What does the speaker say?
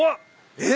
えっ？